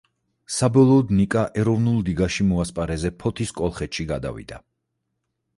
საბოლოოდ ნიკა ეროვნულ ლიგაში მოასპარეზე ფოთის „კოლხეთში“ გადავიდა.